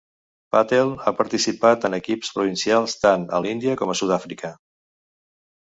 Patel ha participat en equips provincials tant a l'Índia com a Sud-àfrica.